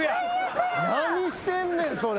何してんねんそれ。